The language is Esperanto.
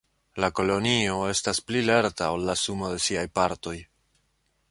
La kolonio estas pli lerta ol la sumo de siaj partoj.